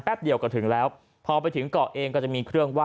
เดียวก็ถึงแล้วพอไปถึงเกาะเองก็จะมีเครื่องว่า